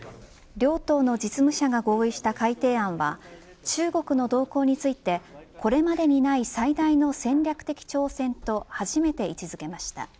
両党の実務者が合意した改定案は中国の動向についてこれまでにない最大の戦略的挑戦と初めて位置付けました。